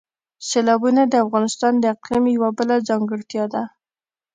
سیلابونه د افغانستان د اقلیم یوه بله ځانګړتیا ده.